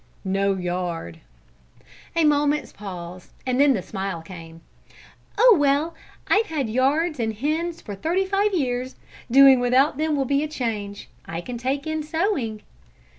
"No yard." A moment's pause, and then the smile came. "Oh, well, I've had yards and hens for thirty five years. Doing without them will be a change. I can take in sewing."